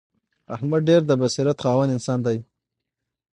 احمد ډېر د بصیرت خاوند انسان دی.